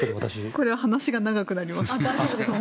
これは話が長くなります。